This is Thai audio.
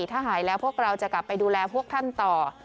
ถ้าหายแล้วพวกเราจะกลับไปดูแลพวกท่านต่อ